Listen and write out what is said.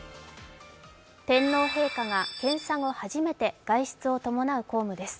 天皇陛下が検査後初めて外出を伴う公務です。